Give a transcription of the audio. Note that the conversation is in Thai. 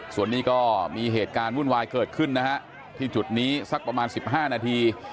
ส่วนนี้ก็มีเหตุการณ์วุ่นวายเกิดขึ้นนะฮะที่จุดนี้สักประมาณ๑๕นาที